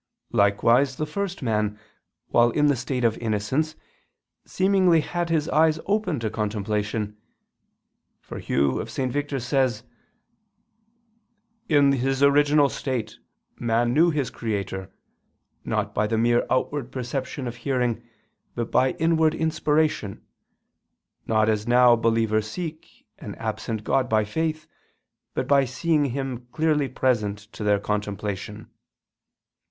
Likewise the first man, while in the state of innocence, seemingly had his eyes open to contemplation; for Hugh St. Victor says (De Sacram. i, 6) that "in his original state man knew his Creator, not by the mere outward perception of hearing, but by inward inspiration, not as now believers seek an absent God by faith, but by seeing Him clearly present to their contemplation."